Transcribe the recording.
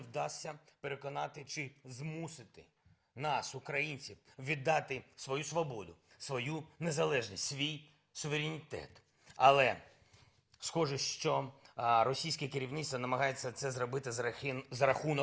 tapi sepertinya kisahnya rusia mencoba melakukan ini melibatkan potensial negara negara mereka